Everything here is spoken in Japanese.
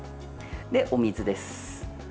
お水です。